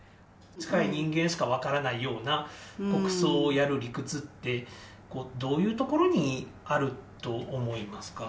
近い人間しか分からないような国葬をやる理屈って、どういうところにあると思いますか？